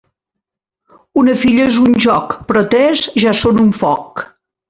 Una filla és un joc, però tres ja són un foc.